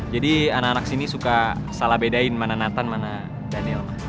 jadi anak anak sini suka salah bedain mana nathan mana daniel